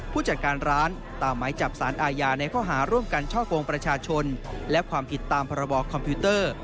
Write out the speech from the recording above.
ผู้จัดการร้านตามหมายจับสารอาญาในข้อหาร่วมกันช่อกงประชาชนและความผิดตามพรบคอมพิวเตอร์